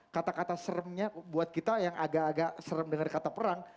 kata kata seremnya buat kita yang agak agak serem dengar kata perang